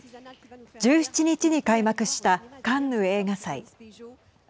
１７日に開幕したカンヌ映画祭。